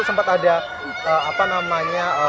sempat ada apa namanya